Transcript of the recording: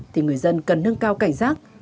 thì người dân cần nâng cao cảnh giác